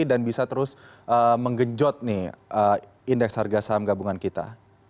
bisa terus menggenjot nih indeks harga saham gabungan kita